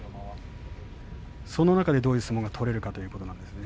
その中でどういう相撲が取れるかということですね。